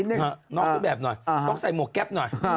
น้องเครื่องแบบหน่อยต้องใส่มวกแก๊บหน่อย